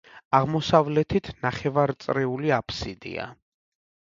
აღმოსავლეთით ნახევარწრიული აფსიდია.